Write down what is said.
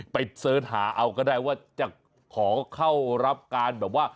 เสิร์ชหาเอาก็ได้ว่าจะขอเข้ารับการแบบว่า